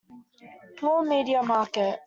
Paul media market.